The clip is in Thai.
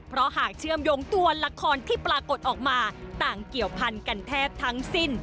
เพราะหากเชื่อมโยงตัวละครที่ปรากฏออกมาต่างเกี่ยวพันกันแทบทั้งสิ้น